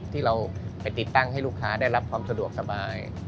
ที่เราไปติดตั้งให้ลูกค้าได้รับความสะดวกสบาย